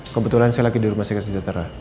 kebetulan saya lagi di rumah sakit sejahtera